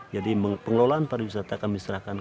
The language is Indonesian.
jadi pengelolaan para wisata kami selain dari hutan adat